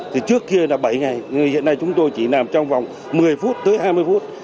thì trước kia là bảy ngày hiện nay chúng tôi chỉ nằm trong vòng một mươi phút tới hai mươi phút